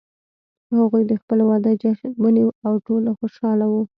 هغوی د خپل واده جشن ونیو او ټول خوشحال وو